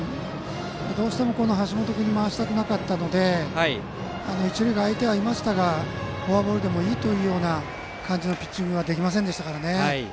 どうしても橋本君に回したくなかったので一塁が空いていましたがフォアボールでもいいという感じのピッチングができませんでしたからね。